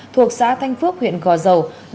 thuộc xã thanh phước huyện gò dầu